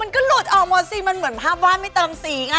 กะโม่สิมันเหมือนภาพว่ะไม่ต่ำสีอ่ะ